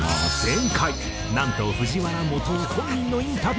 前回なんと藤原基央本人のインタビューが実現！